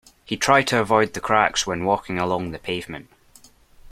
He tried to avoid the cracks when walking along the pavement